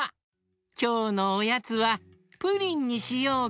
きょうのおやつはプリンにしようかなあ！